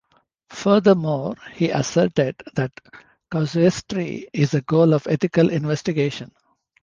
Furthermore, he asserted that casuistry is the goal of ethical investigation.